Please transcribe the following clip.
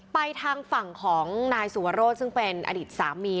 ไปทางฝั่งของนายสุวรสซึ่งเป็นอดีตสามี